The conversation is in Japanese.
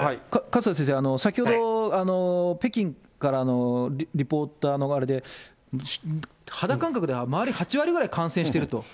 勝田先生、先ほど、北京からのリポーターのあれで、肌感覚では周り８割ぐらい感染してると。